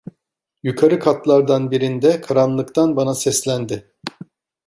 Yukarı katlardan birinde, karanlıktan bana seslendi.